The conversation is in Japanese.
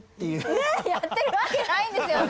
やってるわけないんですよね！